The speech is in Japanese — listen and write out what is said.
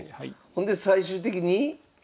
ほんで最終的に？